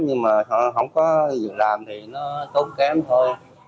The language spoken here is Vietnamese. nhưng mà không có việc làm thì nó tốn kém thôi